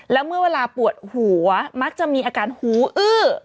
แล้วเมื่อเวลาปวดหัวมักจะมีอาการหูอื้อ